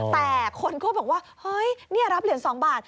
แต่คนก็บอกว่าเฮ้ยนี่รับเหรียญ๒บาท